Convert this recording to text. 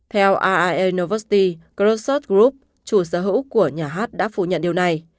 theo ria novosti khrushchev group chủ sở hữu của nhà hát đã phủ nhận điều này